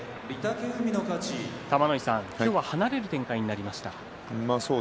玉ノ井さん、今日は離れる展開になりました。